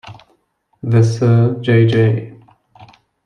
The Sir J. J.